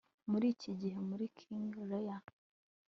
Muri iki gihe muri King Lear